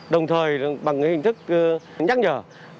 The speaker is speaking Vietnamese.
đồng thời bằng cái hình thức nhắc nhở